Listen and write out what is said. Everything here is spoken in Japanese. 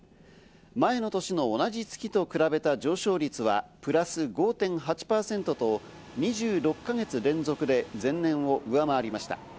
前の年の同じ月と比べた上昇率はプラス５．８％と、２６か月連続で前年を上回りました。